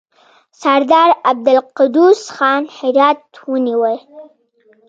سردار عبدالقدوس خان هرات ونیوی.